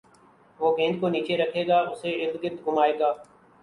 وہ گیند کو نیچے رکھے گا اُسے اردگرد گھمائے گا